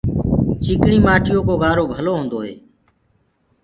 چيڪڻي مآٽيو ڪو گآرو ڀلو هوندو هي۔